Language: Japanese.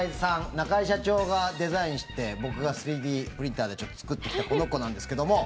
中居社長がデザインして僕が３Ｄプリンターで作ってきたこの子なんですけども。